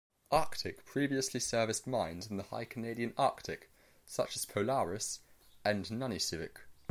"Arctic" previously serviced mines in the high Canadian Arctic such as Polaris and Nanisivik.